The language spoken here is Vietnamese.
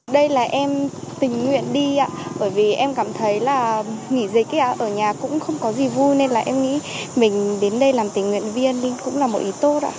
đây là em tình nguyện đi ạ bởi vì em cảm thấy là nghỉ dịch ở nhà cũng không có gì vui nên là em nghĩ mình đến đây làm tình nguyện viên nhưng cũng là một ý tốt